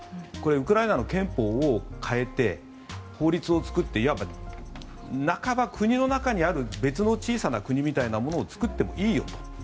これはウクライナの憲法を変えて法律を作っていわば国の中にある別の小さな国みたいなものを作ってもいいよと。